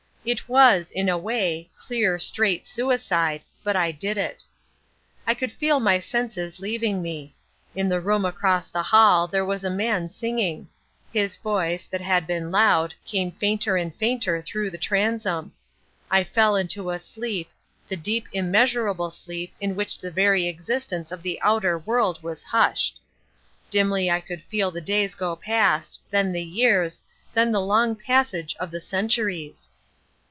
It was, in a way, clear, straight suicide, but I did it. I could feel my senses leaving me. In the room across the hall there was a man singing. His voice, that had been loud, came fainter and fainter through the transom. I fell into a sleep, the deep immeasurable sleep in which the very existence of the outer world was hushed. Dimly I could feel the days go past, then the years, and then the long passage of the centuries.